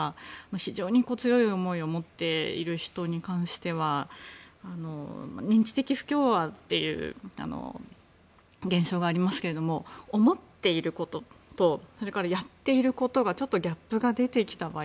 非常に強い思いを持っている人に関しては認知的不協和という現象がありますけれども思っていることとそれからやっていることがちょっとギャップが出てきた場合。